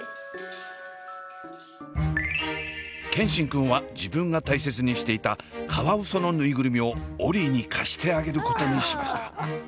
健新くんは自分が大切にしていたカワウソのぬいぐるみをオリィに貸してあげることにしました。